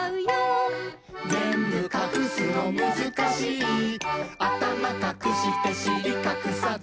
「ぜんぶかくすのむずかしい」「あたまかくしてしりかくさず」